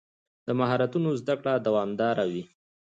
د مهارتونو زده کړه دوامداره وي.